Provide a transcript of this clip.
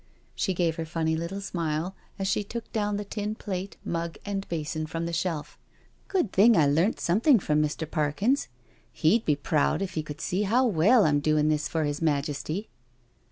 She gave her funny little smile as she took down the tin plate, mug and basin from the shelf. '* Good thing I learnt something from Mr. Parkins — ^he'd be proud if he could see how well I'm doin' this for His Majesty."